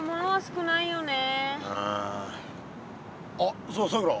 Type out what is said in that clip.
あっそうださくら。